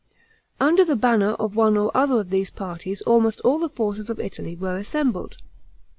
Under the banner of one or other of these parties almost all the forces of Italy were assembled.